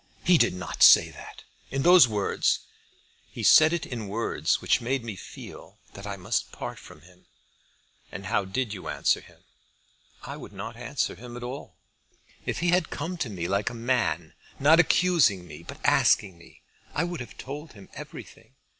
"He did not say that, in those words?" "He said it in words which made me feel that I must part from him." "And how did you answer him?" "I would not answer him at all. If he had come to me like a man, not accusing me, but asking me, I would have told him everything.